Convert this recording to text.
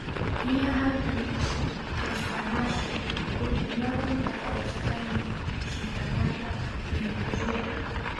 Ña atun kashpañashi pukunawa kallarishkaña shitanata pinkulluwa.